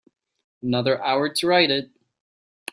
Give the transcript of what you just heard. Another hour to write it.